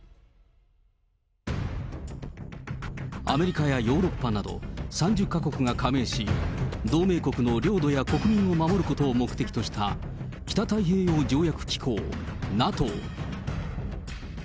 アメリカやヨーロッパなど３０か国が加盟し、同盟国の領土や国民を守ることを目的とした、北大西洋条約機構・ＮＡＴＯ。